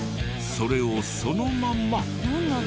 それをそのまま。